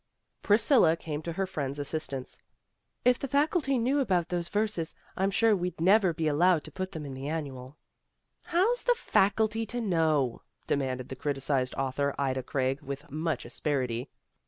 Priscilla came to her friend 's assistance. '* If the faculty knew about those verses, I'm sure we'd never be allowed to put them in the Annual. ''*' How 's the faculty to know ?'' demanded the criticized author, Ida Craig, with much asperity.